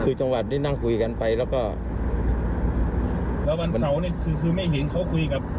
คือจังหวัดได้นั่งคุยกันไปแล้วก็แล้ววันเสาร์นี่คือคือแม่หญิงเขาคุยกับ